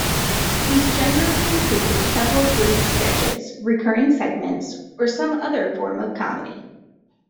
These generally included several brief sketches, recurring segments, or some other form of comedy.